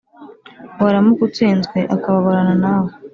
waramuka utsinzwe, akababarana nawe.